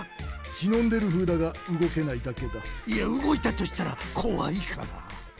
しのんでるふうだがうごけないだけだいやうごいたとしたらこわいから！